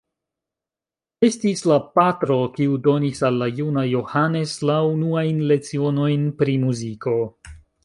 Estis la patro, kiu donis al la juna Johannes la unuajn lecionojn pri muziko.